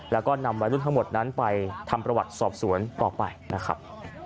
แล้วก็นำวัยรุ่นทั้งหมดนั้นไปทำประวัติสอบสวนต่อไปนะครับ